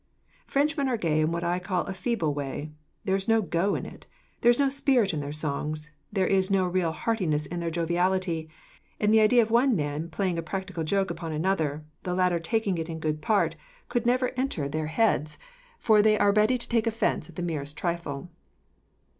Frenchmen are gay in what I may call a feeble way there is no go in it. There is no spirit in their songs, there is no real heartiness in their joviality, and the idea of one man playing a practical joke upon another, the latter taking it in good part, could never enter their heads, for they are ready to take offence at the merest trifle.